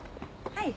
はい！